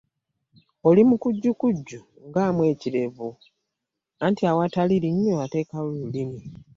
Oli mukujjukujju ng'amwa ekirevu anti awatali linnyo ateekawo lulimi.